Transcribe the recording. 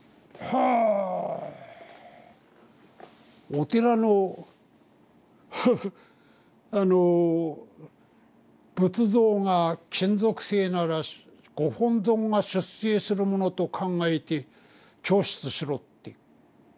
お寺のハハッあの仏像が金属製ならご本尊が出征するものと考えて供出しろっていう。